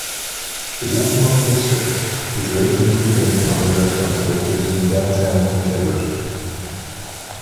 The Watermark Bistro is a locally-owned pub and restaurant located in downtown Point Edward.